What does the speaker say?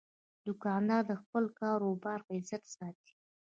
دوکاندار د خپل کاروبار عزت ساتي.